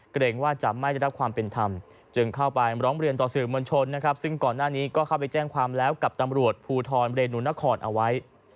เกรงว่าจะไม่ได้รับความเป็นธรรมจึงเข้าไปร้องเรียนต่อสื่อมวลชนนะครับซึ่งก่อนหน้านี้ก็เข้าไปแจ้งความแล้วกับตำรวจภูทรเรนูนครเอาไว้